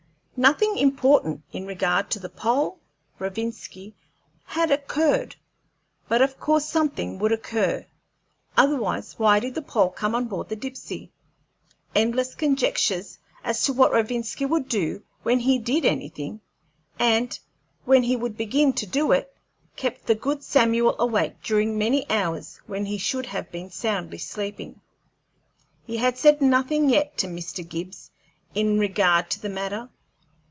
Nothing important in regard to the Pole, Rovinski, had occurred, but of course something would occur; otherwise why did the Pole come on board the Dipsey? Endless conjectures as to what Rovinski would do when he did anything, and when he would begin to do it, kept the good Samuel awake during many hours when he should have been soundly sleeping. He had said nothing yet to Mr. Gibbs in regard to the matter.